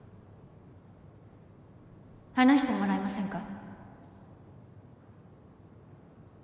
話してもらえませんか？